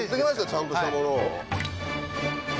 ちゃんとしたものを。